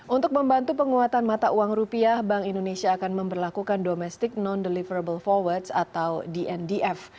untuk membantu penguatan mata uang rupiah bank indonesia akan memperlakukan domestic non deliverable forwards atau dndf